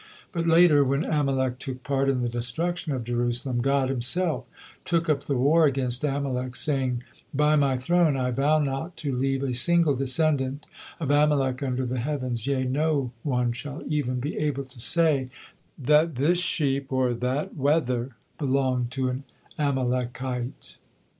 But later, when Amalek took part in the destruction of Jerusalem, God Himself took up the war against Amalek, saying, "By My throne I vow not to leave a single descendant of Amalek under the heavens, yea, no one shall even be able to say that this sheep or that wether belonged to an Amalekite."